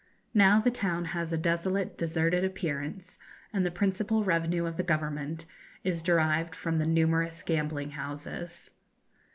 Now the town has a desolate, deserted appearance, and the principal revenue of the government is derived from the numerous gambling houses.